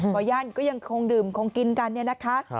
อย่าั่นก็ยังคงดื่มคงกินกันเนี่ยนะคะ